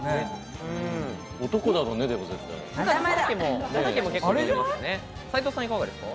男だろうね、絶対。